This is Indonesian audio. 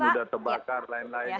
kita hutan sudah terbakar lain lain